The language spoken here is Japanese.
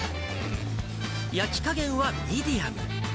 焼き加減はミディアム。